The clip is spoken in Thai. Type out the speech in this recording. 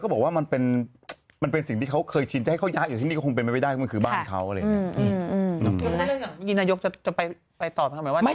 แต่มันไม่หนักขนาดนี้พี่